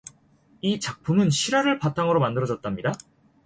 이 작품은 실화를 바탕으로 만들어졌습니다.